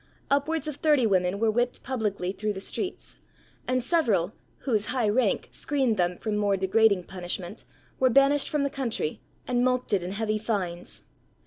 Upwards of thirty women were whipped publicly through the streets; and several, whose high rank screened them from more degrading punishment, were banished from the country, and mulcted in heavy fines.